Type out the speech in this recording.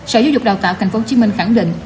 sở giáo dục đào tạo tp hcm khẳng định